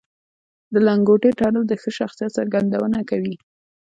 د لنګوټې تړل د ښه شخصیت څرګندونه کوي